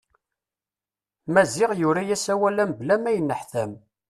Maziɣ yura-as awal-a mebla ma yenneḥtam.